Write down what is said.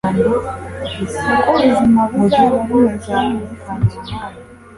uko ubuzima buzaba bumeze mu isi nshya